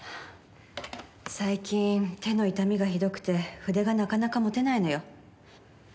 最近手の痛みがひどくて筆がなかなか持てないのよ。